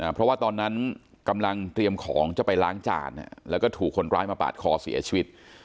เพราะว่าตอนนั้นกำลังเตรียมของจะไปล้างจานแล้วก็ถูกคนร้ายมาปาดคอเสียชีวิต